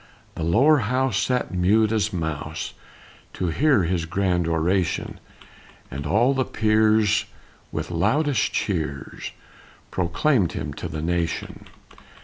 The "Lower House" sat mute as mouse To hear his grand oration; And "all the peers," with loudest cheers, Proclaimed him to the nation.